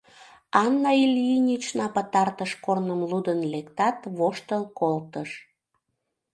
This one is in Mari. Анна Ильинична пытартыш корным лудын лектат, воштыл колтыш.